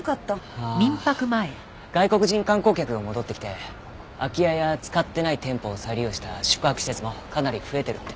ああ外国人観光客が戻ってきて空き家や使ってない店舗を再利用した宿泊施設もかなり増えてるって。